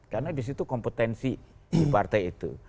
karena di situ kompetensi di partai itu